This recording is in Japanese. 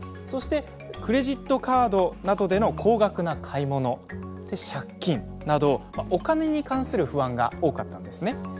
そして「クレジットカードなどでの高額な買い物」「借金」などお金に関する不安が多かったんですね。